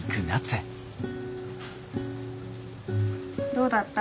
どうだった？